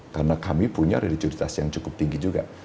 karena kami punya religiositas yang cukup tinggi juga